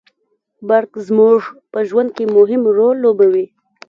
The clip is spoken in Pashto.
برق زموږ په ژوند کي مهم رول لوبوي